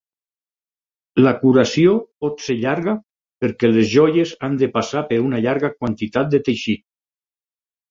La curació pot ser llarga perquè les joies han de passar per una llarga quantitat de teixit.